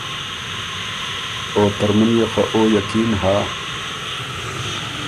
او ترمُن يې خه او یقین هۀ